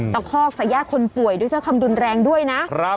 ตะคอกสักญาติคนป่วยด้วยเจ้าคำดุนแรงด้วยนะ